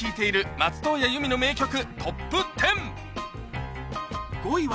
松任谷由実の名曲トップ１０５位は